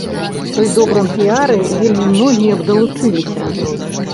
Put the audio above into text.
Пры добрым піяры вельмі многія б далучыліся.